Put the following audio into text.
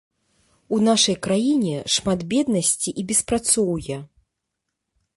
У нашай краіне шмат беднасці і беспрацоўя.